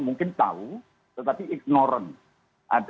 mungkin tahu tetapi ignorant